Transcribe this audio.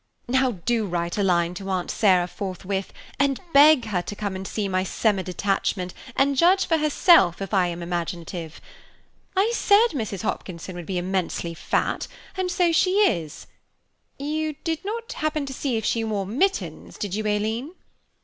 now do write a line to Aunt Sarah forthwith, and beg her to come and see my Semi detachment, and judge for herself if I am imaginative. I said Mrs. Hopkinson would be immensely fat, and so she is; you did not happen to see if she wore mittens, did you, Aileen?"